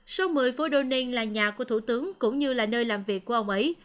số một mươi phố donin là nhà của thủ tướng cũng như là nơi làm việc của ông ấy